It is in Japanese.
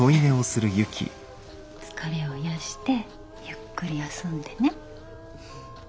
疲れを癒やしてゆっくり休んでね。